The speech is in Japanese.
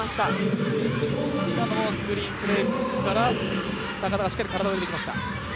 今のもスクリーンプレーから高田がしっかり体を入れてきました。